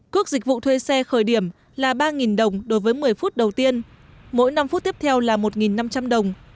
cước dịch vụ thuê xe khởi điểm là ba đồng đối với một mươi phút đầu tiên mỗi năm phút tiếp theo là một năm trăm linh đồng